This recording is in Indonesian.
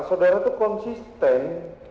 saudara itu konsisten